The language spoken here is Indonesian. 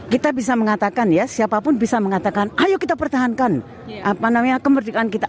kita bisa mengatakan ya siapapun bisa mengatakan ayo kita pertahankan kemerdekaan kita